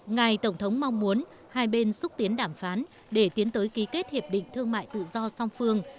ngài tổng thống mong muốn hai bên xúc tiến đàm phán để tiến tới ký kết hiệp định thương mại tự do song phương